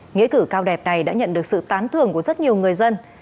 nghĩa cử cao đẹp này đã nhận được sự tán thường của rất nhiều người dân